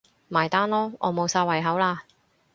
埋單囉，我無晒胃口喇